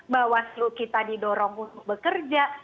bawaslu kita didorong untuk bekerja